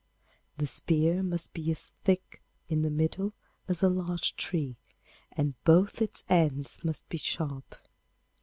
The spear must be as thick in the middle as a large tree, and both its ends must be sharp.